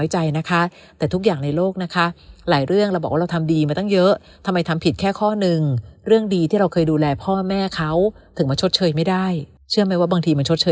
เชื่อมั้ยว่าบางทีมันชดเชยไม่ได้จริง